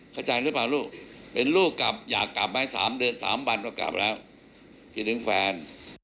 เข้าใจหรือเปล่าลูกเป็นลูกกลับอยากกลับไหม๓เดือน๓วันก็กลับแล้วคิดถึงแฟน